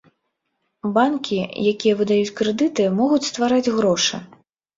Банкі, якія выдаюць крэдыты, могуць ствараць грошы.